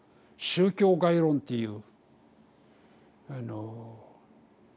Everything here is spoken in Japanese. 宗教概論っていう。